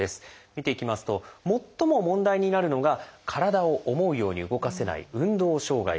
見ていきますと最も問題になるのが体を思うように動かせない「運動障害」です。